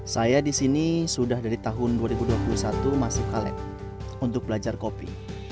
saya disini sudah dari tahun dua ribu dua puluh satu masih kaleb untuk belajar kopi